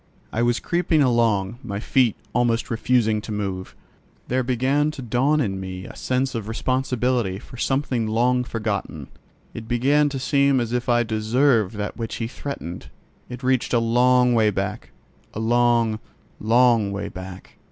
I was creeping along, my feet almost refusing to move. There began to dawn in me a sense of responsibility for something long forgotten. It began to seem as if I deserved that which he threatened: it reached a long way back—a long, long way back.